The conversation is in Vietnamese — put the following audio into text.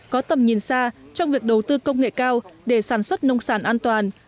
có tầm nhìn xa trong việc đầu tư công nghệ cao để sản xuất nông sản an toàn